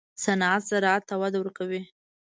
صنعت زراعت ته وده ورکوي